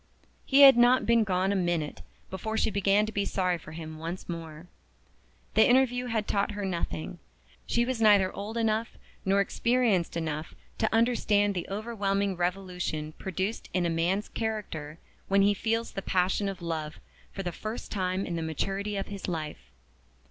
He had not been gone a minute before she began to be sorry for him once more. The interview had taught her nothing. She was neither old enough nor experienced enough to understand the overwhelming revolution produced in a man's character when he feels the passion of love for the first time in the maturity of his life.